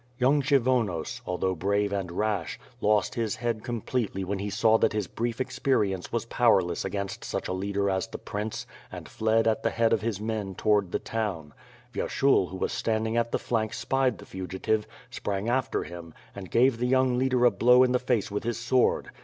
Young Kshyvonos, although brave and rash, lost his head completely when he saw that his brief experience was power less against such a leader as the prince; and fled at the head of his men toward the town. Vyerahul who was standing at the flank spied the fugitive, sprang after him, and gave the young leader a blow in the face with his sword.